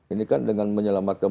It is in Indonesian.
ini kan dengan menyelamatkan